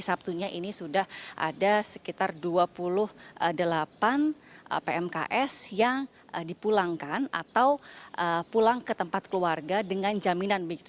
sabtunya ini sudah ada sekitar dua puluh delapan pmks yang dipulangkan atau pulang ke tempat keluarga dengan jaminan begitu